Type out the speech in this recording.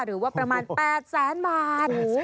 หรือว่าประมาณ๘แสนบาท